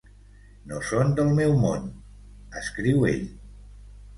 "No són del meu món", escriu ell.